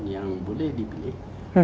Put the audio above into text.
yang boleh dipilih